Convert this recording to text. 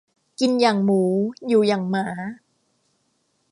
กินอย่างหมู อยู่อย่างหมา